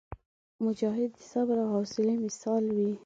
مجاهد د صبر او حوصلي مثال وي.